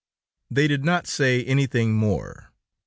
They did not say anything more.